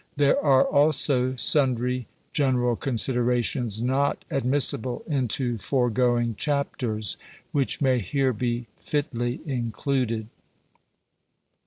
There are also sundry gene ral considerations not admissible into foregoing chapters, which may here be fitly included.